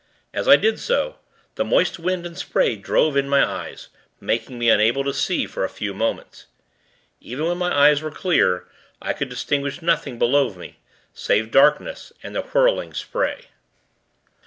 As I did so, the moist wind and spray drove in my eyes, making me unable to see, for a few moments. Even when my eyes were clear, I could distinguish nothing below me, save darkness, and whirling spray.